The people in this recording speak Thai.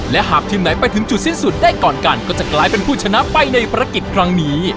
และหากทีมไหนไปถึงจุดสิ้นสุดได้ก่อนกันก็จะกลายเป็นผู้ชนะไปในภารกิจครั้งนี้